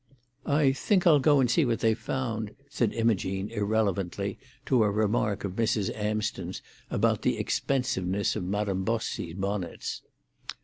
"I think I'll go and see what they've found," said Imogene irrelevantly, to a remark of Mrs. Amsden's about the expensiveness of Madame Bossi's bonnets.